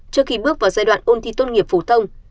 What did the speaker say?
trước khi bước vào giai đoạn ôn thi tôn nghiệp phú thông